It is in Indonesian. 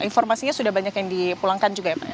informasinya sudah banyak yang dipulangkan juga ya pak ya